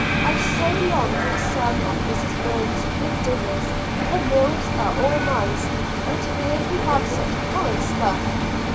I so long for some of Mrs. Burns' good dinners; her meals are all nice, and here we have such horrid stuff.